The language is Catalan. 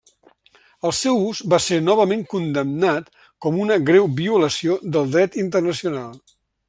El seu ús va ser novament condemnat com una greu violació del dret internacional.